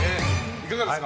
いかがですか？